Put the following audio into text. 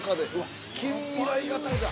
あ、近未来型じゃ。